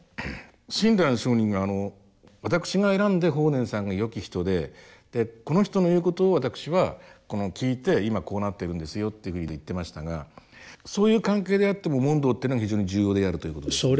親鸞聖人が私が選んで法然さんが「よき人」でこの人の言うことを私は聞いて今こうなってるんですよっていうふうに言ってましたがそういう関係であっても問答っていうのは非常に重要であるということですか？